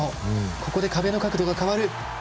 ここで壁の角度が変わる！